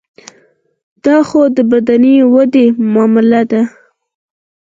دا خو د بدني ودې معامله ده.